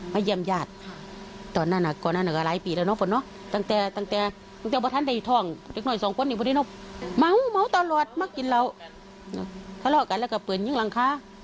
ทะเลาะกันแล้วก็เปลือนยิงหลังคา